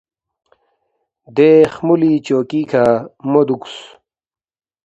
دے خُمولی چوکی کھہ مو دُوکس